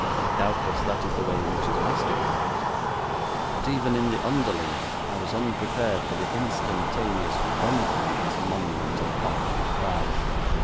Doubtless that is the way in which his master would have acted, but even in the underling I was unprepared for the instantaneous crumbling of this monument of pomp and pride.